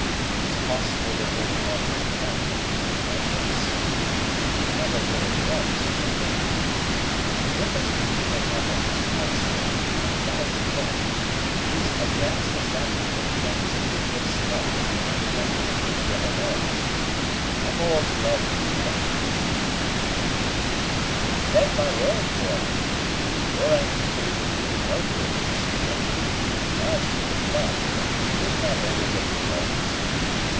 It is possible the worthy man has not understood my hints, or he never would have thought of such a thing. The difference between an officer's consort and a guide's woman is as vast as that between the antiquity of Scotland and the antiquity of America. I'm auld blood, too, Lundie." "Take my word for it Davy, your antiquity will do you no good in this affair; and as for your blood, it is not older than your bones.